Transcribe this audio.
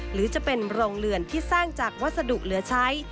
หรือจะเป็นโรงเรือนที่สร้างจากวัสดุเหลือใช้